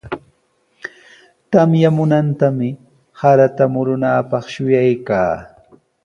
Tamyamunantami sarata murunaapaq shuyaykaa.